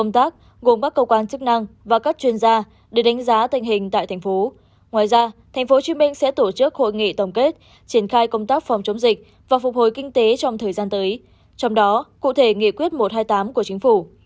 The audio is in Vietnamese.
thành phố hồ chí minh sẽ tổ chức hội nghị tổng kết triển khai công tác phòng chống dịch và phục hồi kinh tế trong thời gian tới trong đó cụ thể nghị quyết một trăm hai mươi tám của chính phủ